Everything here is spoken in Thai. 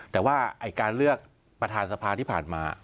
แต่ว่าการเลือกประธานสภาที่ผ่านมา